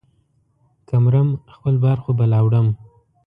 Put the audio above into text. که مرم ، خپل بار خو به لا وړم.